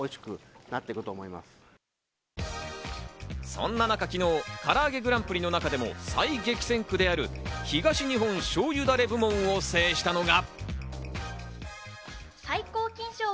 そんな中、昨日から、あげグランプリの中でも最激戦区である、東日本しょうゆダレ部門を制したのが。